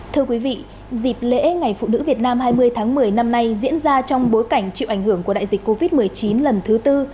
thưa quý vị dịp lễ ngày phụ nữ việt nam hai mươi tháng một mươi năm nay diễn ra trong bối cảnh chịu ảnh hưởng của đại dịch covid một mươi chín lần thứ tư